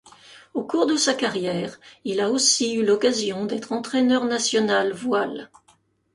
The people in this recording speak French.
Au cours de sa carrière il a aussi eu l'occasion d'être entraîneur national voile.